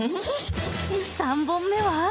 ３本目は。